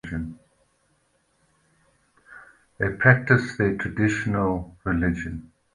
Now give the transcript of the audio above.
They practice their traditional religion.